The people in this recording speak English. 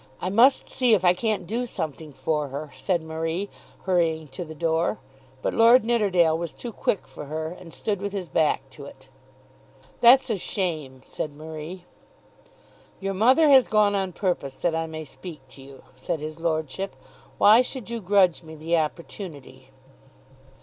"I must see if I can't do something for her," said Marie, hurrying to the door. But Lord Nidderdale was too quick for her, and stood with his back to it. "That's a shame," said Marie. "Your mother has gone on purpose that I may speak to you," said his lordship. "Why should you grudge me the opportunity?"